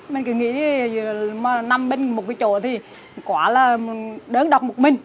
mình cứ nghĩ là nằm bên một cái chỗ thì quá là đớn độc một mình